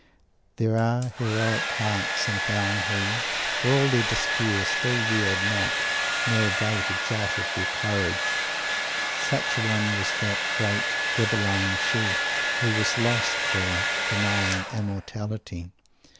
There are heroic hearts in hell who, for all their despair, still yield not, nor abate a jot of their courage. Such a one was that great Ghibelline Chief who was lost for "denying immortality."